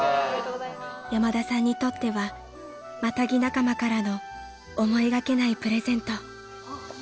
［山田さんにとってはマタギ仲間からの思いがけないプレゼント］